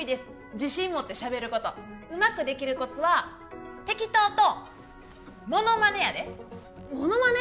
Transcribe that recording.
自信持って喋ることうまくできるコツは適当とモノマネやでモノマネ？